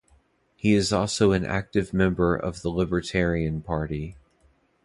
He is also an active member of the Libertarian Party.